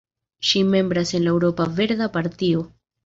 Ŝi membras en la Eŭropa Verda Partio.